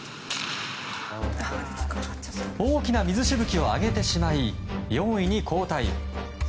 大きな水しぶきを上げてしまい４位に後退。